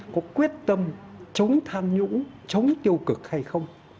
chống tham nhũng chống tiêu cực hay không